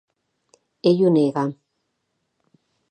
Ell ho nega.